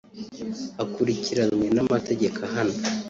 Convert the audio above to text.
akurikiranwe n’amategeko ahana